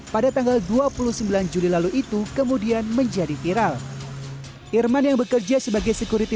pada tanggal dua puluh sembilan juli lalu itu kemudian menjadi viral irman yang bekerja sebagai security